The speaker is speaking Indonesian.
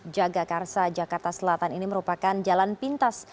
jagakarsa jakarta selatan ini merupakan jalan pintas